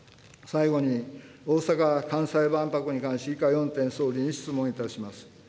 最後に大阪・関西万博に関し、以下４点、総理に質問いたします。